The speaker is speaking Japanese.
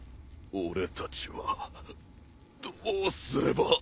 俺たちはどうすれば。